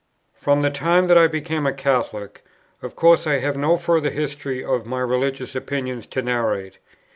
From the time that I became a Catholic, of course I have no further history of my religious opinions to narrate.